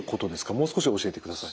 もう少し教えてください。